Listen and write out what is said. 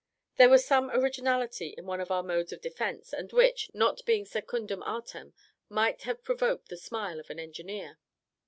There was some originality in one of our modes of defence, and which, not being secundum artem, might have provoked the smile of an engineer.